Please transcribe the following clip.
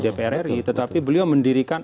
dprri tetapi beliau mendirikan